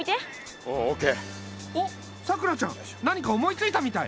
おっさくらちゃん何か思いついたみたい。